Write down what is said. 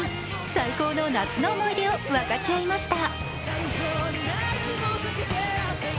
最高の夏の思い出を分かち合いました。